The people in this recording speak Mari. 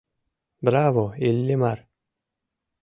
Браво, Иллимар!